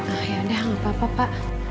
nah yaudah gak apa apa pak